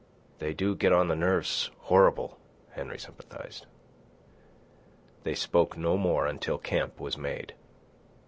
"They do get on the nerves horrible," Henry sympathised. They spoke no more until camp was made.